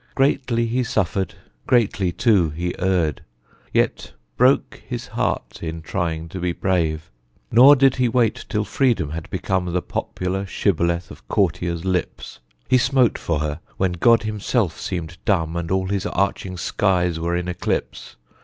Greatly he suffered; greatly, too, he erred; Yet broke his heart in trying to be brave. Nor did he wait till Freedom had become The popular shibboleth of courtier's lips; He smote for her when God Himself seemed dumb And all His arching skies were in eclipse.